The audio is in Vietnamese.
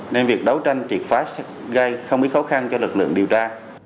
nên việc đấu tranh triệt phá gây không ít khó khăn cho lực lượng điều tra